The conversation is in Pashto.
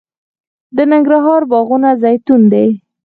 د ننګرهار باغونه زیتون دي